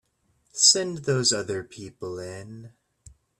Send those other people in.